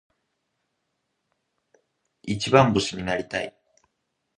一番星になりたい。